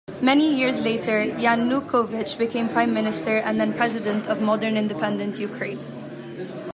Many years later, Yanukovych became prime minister and then president of modern independent Ukraine.